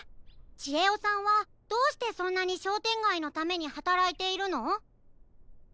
ちえおさんはどうしてそんなにしょうてんがいのためにはたらいているの？